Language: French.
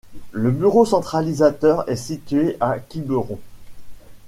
Le bureau centralisateur est situé à Quiberon.